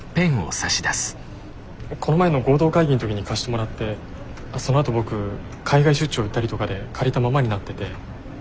この前の合同会議の時に貸してもらってそのあと僕海外出張行ったりとかで借りたままになってて。